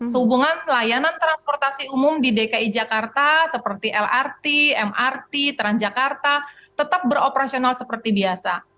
sehubungan layanan transportasi umum di dki jakarta seperti lrt mrt transjakarta tetap beroperasional seperti biasa